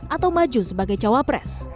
atau maju sebagai cawapres